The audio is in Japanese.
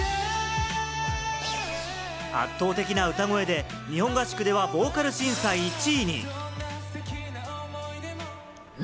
圧倒的な歌声で、日本合宿ではボーカル審査１位に。